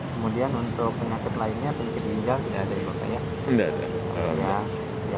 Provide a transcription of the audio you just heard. kemudian untuk penyakit lainnya penyakit linjal tidak ada